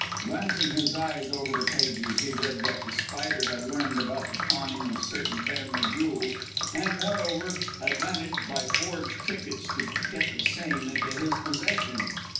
Glancing his eyes over the pages, he read that The Spider had learned about the pawning of certain family jewels and, moreover, had managed, by forged tickets, to get the same into his possession.